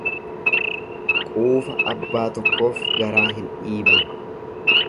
Quufa abbaa tokkoof garaa hin dhiiban.